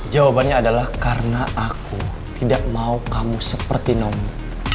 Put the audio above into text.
jawabannya adalah karena aku tidak mau kamu seperti nomu